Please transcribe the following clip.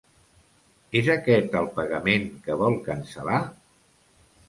És aquest el pagament que vol cancel·lar?